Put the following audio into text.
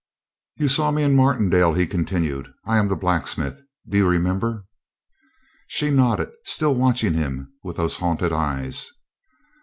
"You saw me in Martindale," he continued. "I am the blacksmith. Do you remember?" She nodded, still watching him with those haunted eyes.